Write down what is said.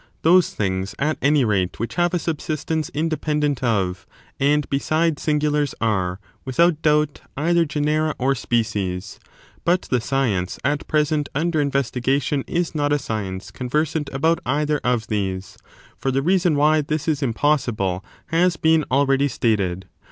Those things, at any rate, which have a subsistence independent of and beside singulars are, without doubt, either genera or species ; but the science at present under investigation is not a science conversant about either of these; for the reason why this is impossible has been already stated.